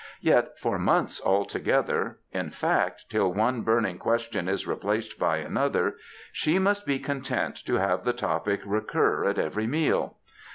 Yet for months together ŌĆö in fact, till one burning question is replaced by another ŌĆö she must be content to have the topic recur at every meal.